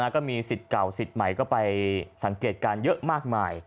ก็มีสิทธิ์เก่าสิทธิ์ใหม่ก็ไปสังเกตการณ์เยอะมากมาย